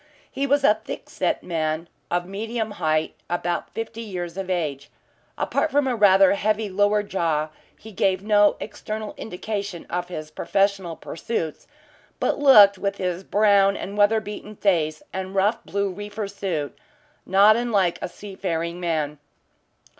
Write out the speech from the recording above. He was a thick set man of medium height, about fifty years of age. Apart from a rather heavy lower jaw, he gave no external indication of his professional pursuits, but looked, with his brown and weather beaten face and rough blue reefer suit, not unlike a seafaring man.